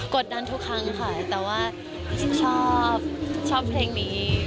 ดดันทุกครั้งค่ะแต่ว่าชอบชอบเพลงนี้